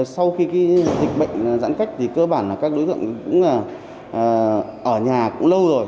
sau khi dịch bệnh giãn cách thì cơ bản các đối tượng ở nhà cũng lâu rồi